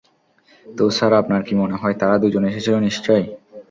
তো স্যার, আপনার কী মনে হয়, তারা দুইজন এসেছিল নিশ্চয়ই?